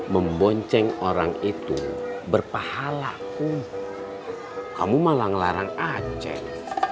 membonceng orang itu berpahala kum kamu malah ngelarang aceh